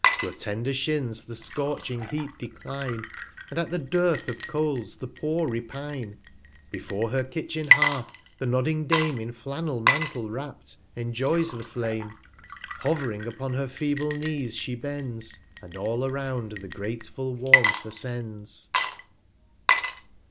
Your tender Shins the scorching Heat decline, And at the Dearth of Coals the Poor repine ; Before her Kitchin Hearth, the nodding Dame In Flannel Mantle wrapt, enjoys the Flame; 140 Hov'ring, upon her feeble Knees she bends, And all around the grateful Warmth ascends.